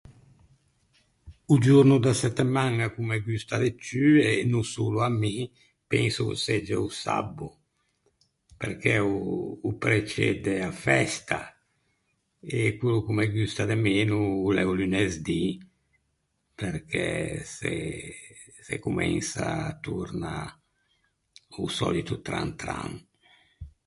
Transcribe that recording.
O giorno da settemaña ch’o me gusta de ciù, e no solo à mi, penso ch’o segge o sabbo, perché o o precede a festa. E quello ch’o me gusta de meno o l’é o lunesdì perché se se comensa torna o sòlito tran tran.